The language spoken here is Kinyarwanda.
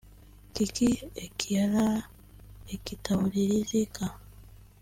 Kiki ekilala ekitawulilizika